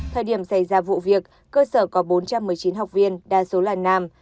thời điểm xảy ra vụ việc cơ sở có bốn trăm một mươi chín học viên đa số là nam